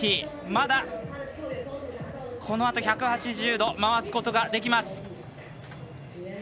まだこのあと１８０度回すことができます。